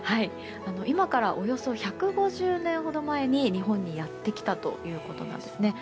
今からおよそ１５０年ほど前に日本にやってきたということなんですね。